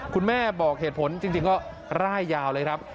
บอกเหตุผลจริงก็ร่ายยาวเลยครับ